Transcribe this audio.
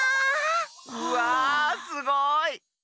うわすごい！